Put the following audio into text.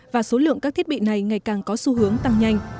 và số lượng các thiết bị này ngày càng có xu hướng tăng nhanh